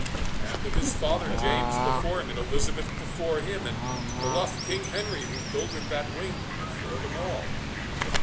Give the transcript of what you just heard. "And of his father, James, before him, and Elizabeth, before him, and bluff King Henry, who builded that wing, before them all."